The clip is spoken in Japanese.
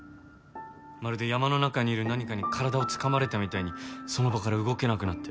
まるで山の中にいる何かに体をつかまれたみたいにその場から動けなくなって。